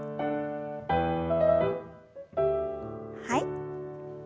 はい。